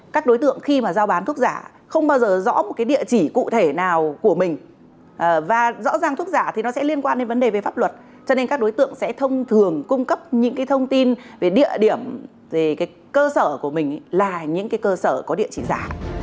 các đối tượng khi mà giao bán thuốc giả không bao giờ rõ một cái địa chỉ cụ thể nào của mình và rõ ràng thuốc giả thì nó sẽ liên quan đến vấn đề về pháp luật cho nên các đối tượng sẽ thông thường cung cấp những thông tin về địa điểm về cơ sở của mình là những cơ sở có địa chỉ giả